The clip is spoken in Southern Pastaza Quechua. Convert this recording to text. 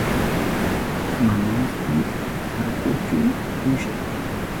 Manashi karkachu chusha.